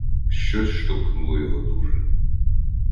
Щось штовхнуло його дуже.